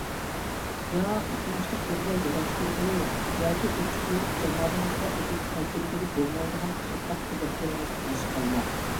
يا ئوقۇمۇشلۇق بىرىگە ياراشتۇرغىلى ياكى ئوچۇق - يورۇق جامالىڭىزغا ئۇدۇل كەلتۈرگىلى بولمايدىغان قىرتاق تىلەكلىرىڭىزگە ھەشقاللا!